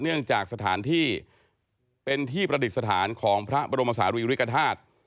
เนื่องจากสถานที่เป็นที่ประดิษฐานของพระบรมศาลีริกฐาตุ